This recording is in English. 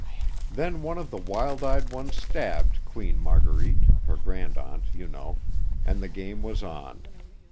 Then one of the wild eyed ones stabbed Queen Marguerite, her grandaunt, you know, and the game was on.